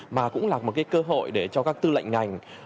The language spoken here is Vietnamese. mà cũng là một cái cơ hội để cho các tư lệnh ngành